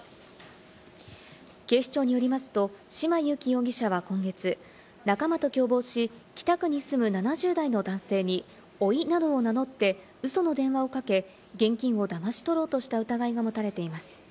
警視庁によりますと、島佑希容疑者は今月、仲間と共謀し、北区に住む７０代の男性においなどを名乗って、うその電話をかけ、現金をだまし取ろうとした疑いが持たれています。